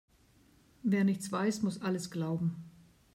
Wer nichts weiß, muss alles glauben.